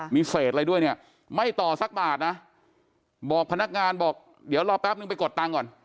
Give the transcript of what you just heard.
มีเศษอะไรด้วยเนี่ยไม่ต่อสักบาทนะบอกพนักงานบอกเดี๋ยวรอแป๊บนึงไปกดตังค์ก่อน